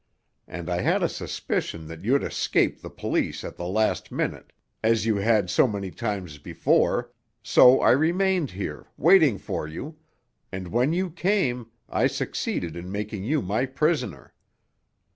And I had a suspicion that you'd escape the police at the last minute, as you had so many times before—so I remained here, waiting for you, and when you came I succeeded in making you my prisoner.